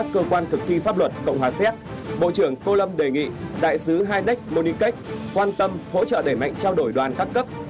các cơ quan thực thi pháp luật cộng hòa xét bộ trưởng tô lâm đề nghị đại sứ heineck modricate quan tâm hỗ trợ đẩy mạnh trao đổi đoàn các cấp